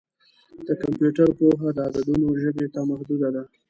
د کمپیوټر پوهه د عددونو ژبې ته محدوده ده.